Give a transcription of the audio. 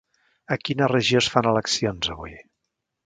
A quina regió es fan eleccions avui?